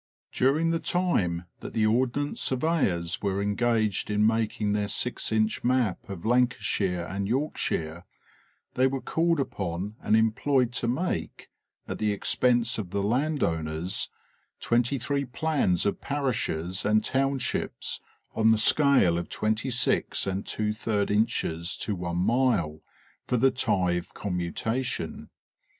251 During the time that the Ordnance Surveyors were engaged in making their six inch map of Lancashire and Yorkshire they were called upon and employed to make, at the expense of the land owners, twenty three plans of parishes and townships on the scale of twenty six and 4 inches to one mile for tithe commuta tion.